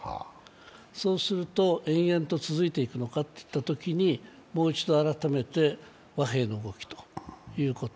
そうすると延々と続いていくのかといったときにもう一度改めて和平の動きということ。